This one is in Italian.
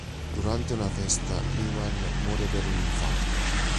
Durante una festa, Lyman muore per un infarto.